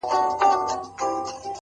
زما په سترگو كي را رسم كړي ـ